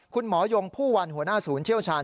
คุณหมอยงผู้วรรณหัวหน้าศูนย์เชี่ยวชาญ